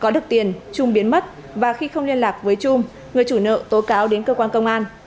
nếu mất và khi không liên lạc với trung người chủ nợ tố cáo đến cơ quan công an